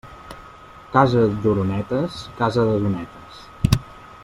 Casa d'oronetes, casa de donetes.